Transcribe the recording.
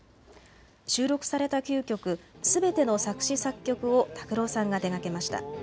収録された９曲すべての作詞・作曲を拓郎さんが手がけました。